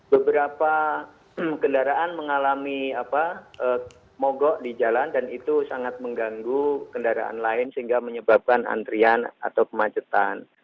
beberapa kendaraan mengalami mogok di jalan dan itu sangat mengganggu kendaraan lain sehingga menyebabkan antrian atau kemacetan